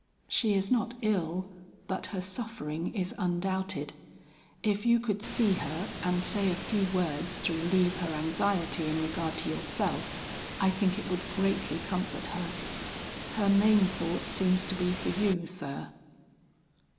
"She is not ill, but her suffering is undoubted. If you could see her and say a few words to relieve her anxiety in regard to yourself, I think it would greatly comfort her. Her main thought seems to be for you, sir."